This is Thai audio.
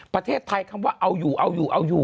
ประเทศไทยคำว่าเอาอยู่